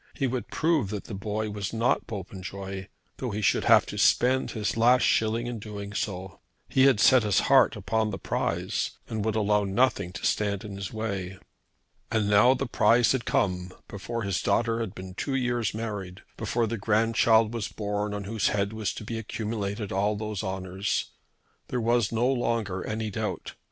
He would prove that the boy was not Popenjoy, though he should have to spend his last shilling in doing so. He had set his heart upon the prize, and he would allow nothing to stand in his way. And now the prize had come before his daughter had been two years married, before the grandchild was born on whose head was to be accumulated all these honours! There was no longer any doubt.